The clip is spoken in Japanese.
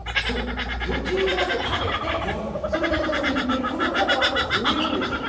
途中まで食べて根っこの部分を植えるんですよ。